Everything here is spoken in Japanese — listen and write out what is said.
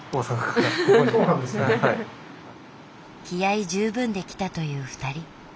気合い十分で来たという２人。